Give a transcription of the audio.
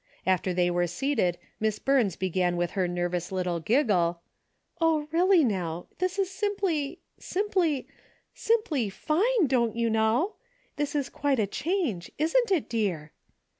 After they were seated Miss Burns began with her nervous little giggle ;" Oh really, now, this is simply, — simply — simply fine., don't you know. This is quite a change, isn't it, dear